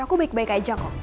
aku baik baik aja kok